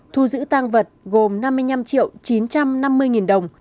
thu giữ tăng vật gồm năm mươi năm triệu chín trăm năm mươi nghìn đồng